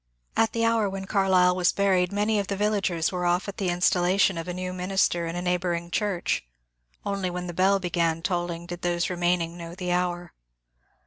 At the hour when Carlyle was buried, many of the vil lagers were off at the installation of a new minister in a neighbouring church. Only when the bell began tolling did those remaining know the hour.